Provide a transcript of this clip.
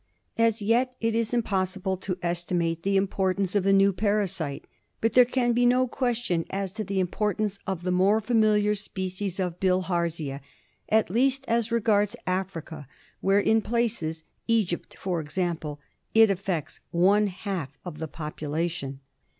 As yet it is impossible to estimate the importance of the new parasite, but there can be no question as to the importance of the more familiar species of Bilharzia, at least as regards Africa, where in places, Egypt for example, it affects one half of the population.